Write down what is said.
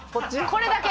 これだけ！